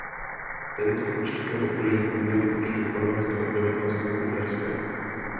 Tento počet měl odpovídat poměru počtu chorvatského obyvatelstva k uherskému.